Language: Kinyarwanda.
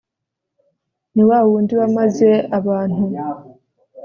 Ni wa wundi wamaze abantu